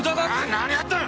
何やっとる！